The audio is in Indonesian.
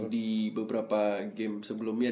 di beberapa game sebelumnya